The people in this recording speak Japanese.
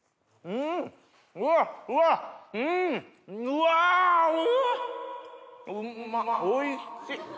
うんまっおいしい！